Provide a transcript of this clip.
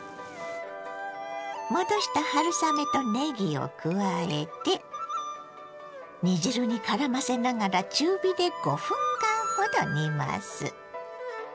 戻した春雨とねぎを加えて煮汁にからませながら中火で５分間ほど煮ます。